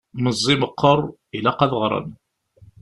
Meẓẓi meqqer, ilaq ad ɣren!